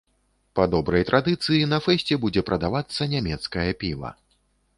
Па добрай традыцыі, на фэсце будзе прадавацца нямецкае піва.